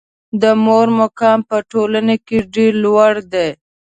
د مور مقام په ټولنه کې ډېر لوړ ده.